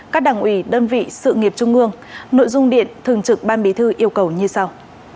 các đảng ủy đơn vị sự nghiệp trung ương nội dung điện thường trực ban bí thư yêu cầu như sau